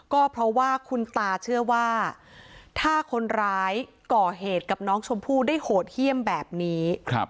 ก็เพราะว่าคุณตาเชื่อว่าถ้าคนร้ายก่อเหตุกับน้องชมพู่ได้โหดเยี่ยมแบบนี้